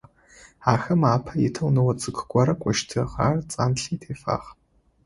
Ахэмэ апэ итэу ныо цӀыкӀу горэ кӀощтыгъ, ар цӀанлъи тефагъ.